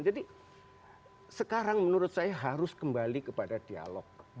jadi sekarang menurut saya harus kembali kepada dialog